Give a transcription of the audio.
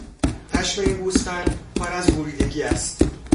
پشم این گوسفندپر از گوریدگی است.